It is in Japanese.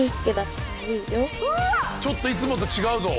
ちょっといつもと違うぞ！